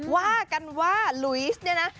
ว่ากันว่าลุยสเนี่ยนะ